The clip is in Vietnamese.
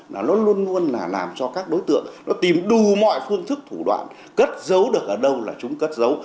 nó luôn luôn là làm cho các đối tượng tìm đủ mọi phương thức thủ đoạn cất dấu được ở đâu là chúng cất dấu